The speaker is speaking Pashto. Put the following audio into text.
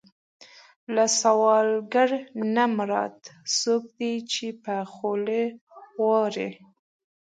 له سوالګر نه مراد څوک دی چې په خوله وغواړي.